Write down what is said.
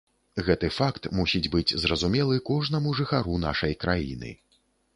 Гэты факт мусіць быць зразумелы кожнаму жыхару нашай краіны.